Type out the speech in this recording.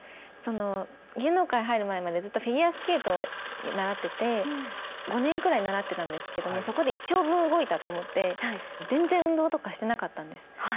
その芸能界入る前までずっとフィギュアスケートを習ってて５年くらい習ってたんですけどもそこで一生分動いたと思って全然運動とかしてなかったんです。